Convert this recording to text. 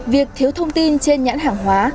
việc thiếu thông tin trên nhãn hàng hóa